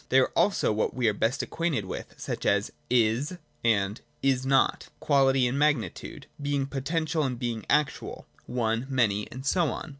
They are also what we are best acquainted with: such as, 'Is' and 'Is not': quality and magni tude : being potential and being actual : one, many, and so on.